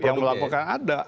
yang melakukan ada